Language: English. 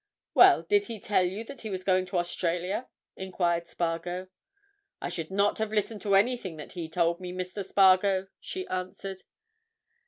"Well, did he tell you that he was going to Australia?" enquired Spargo. "I should not have listened to anything that he told me, Mr. Spargo," she answered.